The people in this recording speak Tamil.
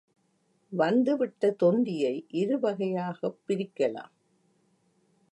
வந்துவிட்ட தொந்தியை இருவகையாகப் பிரிக்கலாம்.